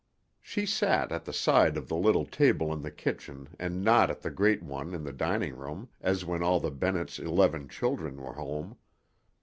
She sat at the side of the little table in the kitchen and not at the great one in the dining room as when all the Bennetts' eleven children were home.